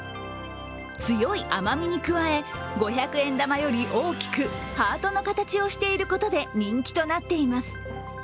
強い甘みに加え、五百円玉より大きくハートの形をしていることで人気となっています。